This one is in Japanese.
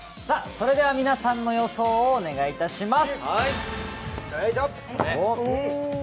それでは、皆さんの予想をお願いいたします。